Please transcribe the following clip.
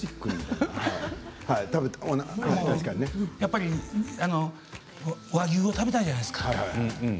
やっぱり和牛を食べたいじゃないですか。